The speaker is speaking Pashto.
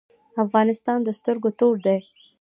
افغانستان د سترګو تور دی؟